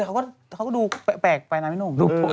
เขาก็ดูแปลกไปน้ำแม่หนู